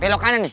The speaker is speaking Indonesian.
belok kanan nih